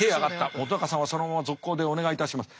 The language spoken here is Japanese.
本さんはそのまま続行でお願いいたします。